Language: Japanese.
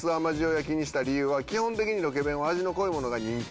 焼きにした理由は基本的にロケ弁は味の濃いものが人気。